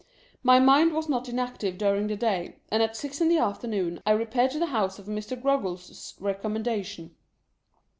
My mind was not inactive during the day, and at six in the afternoon I repaired to the house of Mr. Groggles' recommendation.